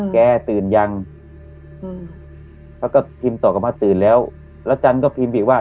แก้ตื่นยังเขาก็พิมพ์ต่อกันพอตื่นแล้วแล้วจันทร์ก็พิมพ์บีบว่า